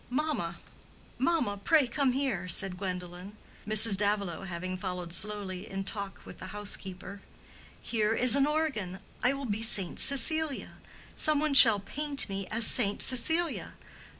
"Mamma, mamma, pray come here!" said Gwendolen, Mrs. Davilow having followed slowly in talk with the housekeeper. "Here is an organ. I will be Saint Cecilia: some one shall paint me as Saint Cecilia.